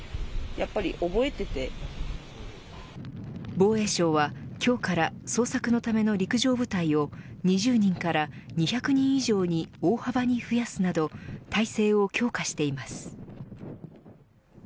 防衛省は今日から捜索のための陸上部隊を２０人から２００人以上に大幅に増やすなど態勢を強化しています。